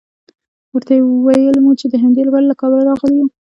ورته ویل مو چې د همدې لپاره له کابله راغلي یوو.